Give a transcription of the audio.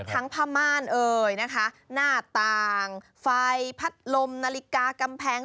ผ้าม่านเอ่ยนะคะหน้าต่างไฟพัดลมนาฬิกากำแพง